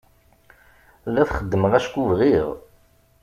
La t-xeddmeɣ acku bɣiɣ.